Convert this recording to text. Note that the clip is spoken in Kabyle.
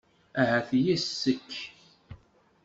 Ahat yes-k.